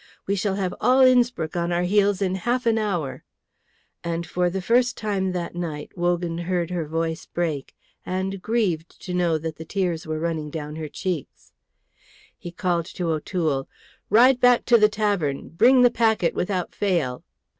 We shall have all Innspruck on our heels in half an hour;" and for the first time that night Wogan heard her voice break, and grieved to know that the tears were running down her cheeks. He called to O'Toole, "Ride back to the tavern! Bring the packet without fail!"